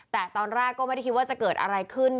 แต่ตอนแรกก็ไม่ได้คิดว่าจะเกิดอะไรขึ้น